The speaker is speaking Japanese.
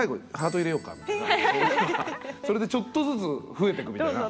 それでちょっとずつ増えてくみたいな。